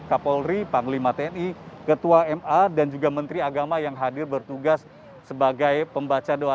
kapolri panglima tni ketua ma dan juga menteri agama yang hadir bertugas sebagai pembaca doa